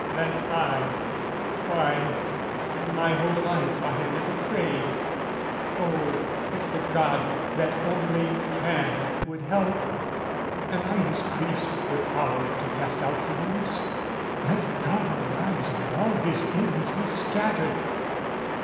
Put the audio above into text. Then I "Why, in my whole life I have never prayed! "Oh, if the God, that only can, would help! "Am I his priest with power to cast out fiends? "Let God arise and all his enemies "Be scattered!"